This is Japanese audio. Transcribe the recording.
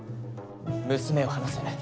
娘を離せ。